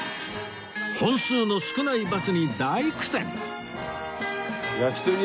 本数の少ないバスに大苦戦！